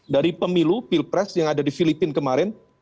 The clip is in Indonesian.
dari pemilu pilpres yang ada di filipina kemarin